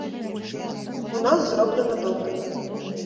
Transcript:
У нас зроблена добра.